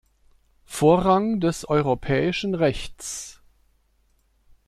Vorrang des europäischen Rechts.